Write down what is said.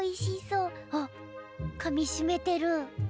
あっかみしめてる。